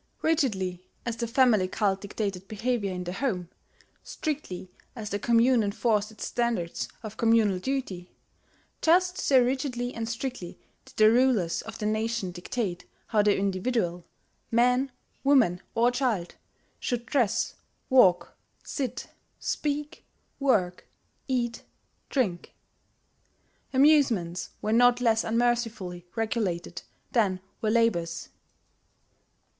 Rigidly as the family cult dictated behaviour in the home, strictly as the commune enforced its standards of communal duty, just so rigidly and strictly did the rulers of the nation dictate how the individual man, woman, or child should dress, walk, sit, speak, work, eat, drink. Amusements were not less unmercifully regulated than were labours.